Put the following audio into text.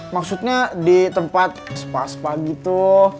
maksudnya di tempat spa spa gitu